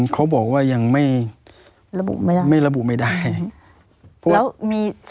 เขาบอกว่ายังไม่ระบุไม่ได้